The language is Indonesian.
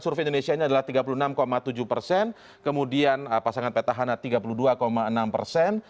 survei indonesia ini adalah tiga puluh enam tujuh persen kemudian pasangan petahana tiga puluh dua enam persen